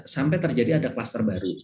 sampai terjadi ada kluster baru